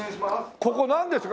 ここなんですか？